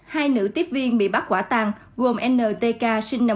hai nữ tiếp viên bị bắt quả tăng gồm ntk sinh năm một nghìn chín trăm chín mươi